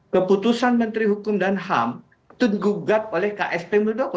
keputusan menteri hukum dan ham itu digugat oleh ksp muldoko